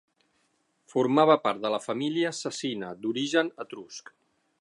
Formava part de la família Cecina, d'origen etrusc.